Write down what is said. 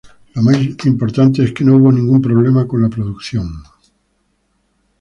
Lo más importante es que no hubo ningún problema con la producción.